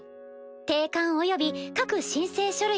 定款および各申請書類。